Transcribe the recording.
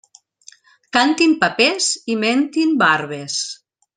Cantin papers i mentin barbes.